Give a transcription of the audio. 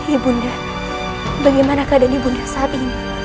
ibu nda bagaimana keadaan ibu nda saat ini